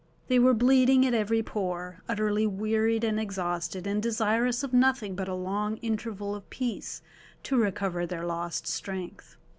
They were bleeding at every pore, utterly wearied and exhausted, and desirous of nothing but a long interval of peace to recover their lost strength.